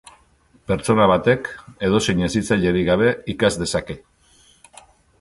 Pertsona batek edozein hezitzailerik gabe ikas dezake.